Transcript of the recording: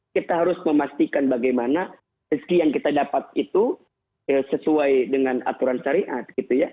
kita harus memastikan bagaimana rezeki yang kita dapat itu sesuai dengan aturan syariat